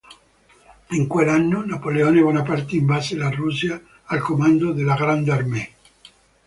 In quell'anno Napoleone Bonaparte invase la Russia al comando della Grande Armée.